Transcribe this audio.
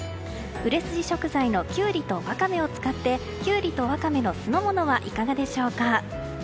売れ筋食材のキュウリとワカメを使ってキュウリとワカメの酢の物はいかがでしょうか。